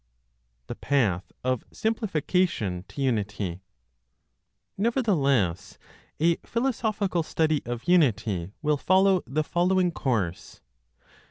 THE PATH OF SIMPLIFICATION TO UNITY. Nevertheless a philosophical study of unity will follow the following course.